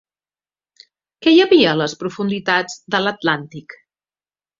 Què hi havia a les profunditats de l'Atlàntic?